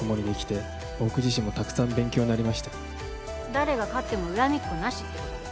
「誰が勝っても恨みっこなしってことで」